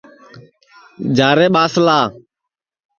جا رے ٻاسلا